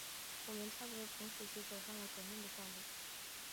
我们差不多同时期走上了革命的道路。